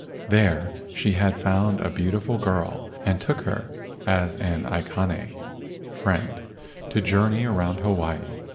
There she had found a beautiful girl and took her as an aikane (friend) to journey around Hawaii.